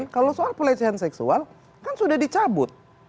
kalau soal pelecehan seksual kan sudah dicabut